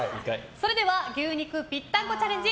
それでは牛肉ぴったんこチャレンジ